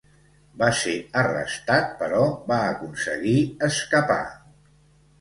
Va ser arrestat però va aconseguir escapar.